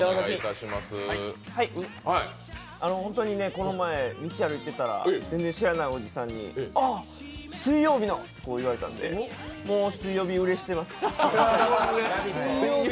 この前、道を歩いていたら知らないおじさんにあっ、水曜日のって言われたんで、もう水曜日売れしてます。